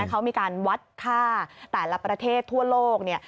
เขามีการวัดค่าแต่ละประเทศทั่วโลก